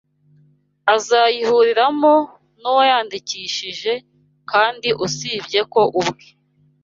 azayihuriramo n’Uwayandikishije; kandi usibye ko ubwe